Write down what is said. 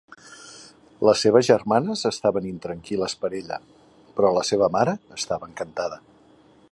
Les seves germanes estaven intranquil·les per ella, però la seva mare estava encantada.